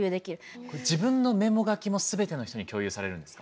自分のメモ書きもすべての人に共有されるんですか？